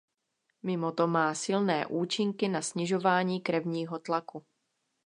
Mimoto má silné účinky na snižování krevního tlaku.